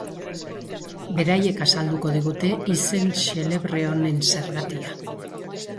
Beraiek azalduko digute izen xelebre honen zergatia.